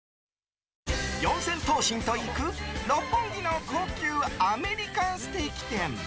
四千頭身と行く、六本木の高級アメリカンステーキ店。